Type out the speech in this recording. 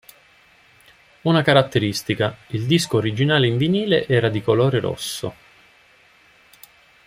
Una caratteristica: il disco originale in vinile era di colore rosso.